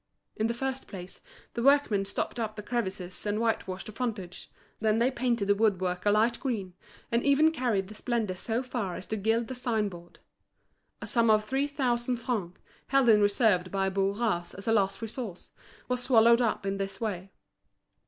In the first place, the workmen stopped up the crevices and whitewashed the frontage, then they painted the woodwork a light green, and even carried the splendour so far as to gild the sign board. A sum of three thousand francs, held in reserve by Bourras as a last resource, was swallowed up in this way.